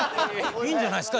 いいんじゃないですか？